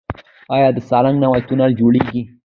آیا د سالنګ نوی تونل جوړیږي؟